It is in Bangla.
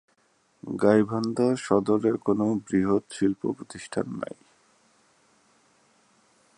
গাইবান্ধা সদরে কোন বৃহৎ শিল্প প্রতিষ্ঠান নেই।